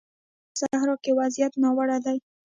د افریقا په جنوبي صحرا کې وضعیت ناوړه دی.